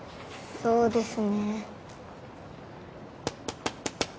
そうですね。